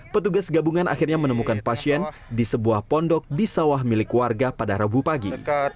petugas gabungan akhirnya menemukan pasien di sebuah pondok di sawah milik warga pada rabu pagi